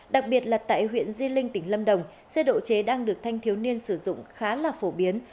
đặc biệt là tại huyện di linh tỉnh lâm đồng xe độ chế đang được thanh thiếu niên sử dụng khá là phổ biến